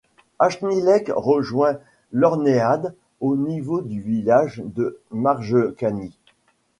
Hnilec rejoint l'Hornád au niveau du village de Margecany.